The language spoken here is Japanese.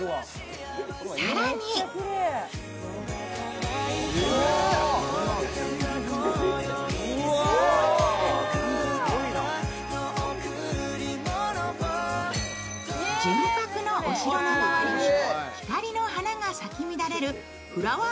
更に純白のお城の周りに光の花が咲き乱れるフラワー